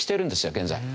現在。